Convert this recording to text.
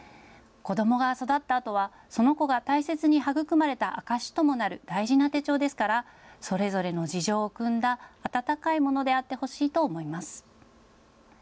子どもが育ったあとは、その子が大切に育まれた証しともなる大事な手帳ですからそれぞれの事情をくんだ温かいものであってほしいと思います。